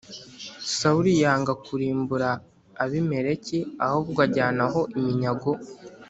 Sawuli yanga kurimbura abimeleki ahubwo abajyanaho iminyago